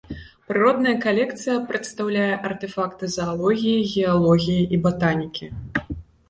Прыродная калекцыя прадстаўляе артэфакты заалогіі, геалогіі і батанікі.